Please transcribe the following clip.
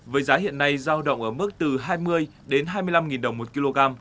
với giá hiện nay giao động ở mức từ hai mươi đến hai mươi năm đồng một kg